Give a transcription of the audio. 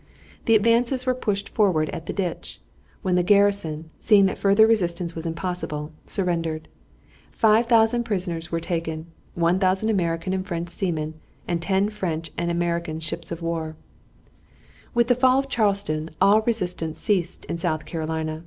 The advances were pushed forward at the ditch, when the garrison, seeing that further resistance was impossible, surrendered. Five thousand prisoners were taken, 1000 American and French seamen, and ten French and American ships of war. With the fall of Charleston all resistance ceased in South Carolina.